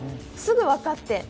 すぐ分かって。